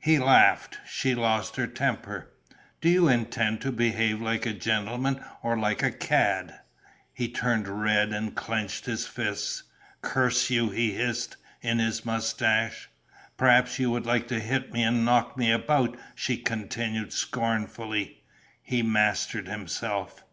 He laughed. She lost her temper: "Do you intend to behave like a gentleman or like a cad?" He turned red and clenched his fists: "Curse you!" he hissed, in his moustache. "Perhaps you would like to hit me and knock me about?" she continued, scornfully. He mastered himself.